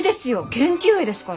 研究絵ですから。